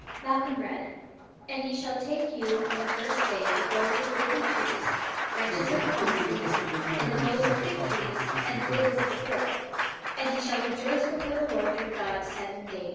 Malcolm read: "'And ye shall take you on the first day the boughs of goodly trees, branches of palm trees, and the boughs of thick trees, and willows of the brook; and ye shall rejoice before the Lord your God seven days.'"